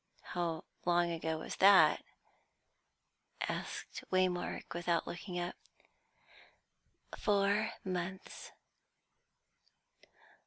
"How long ago was that?" asked Waymark, without looking up. "Four months."